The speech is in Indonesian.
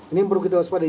ini yang perlu kita waspada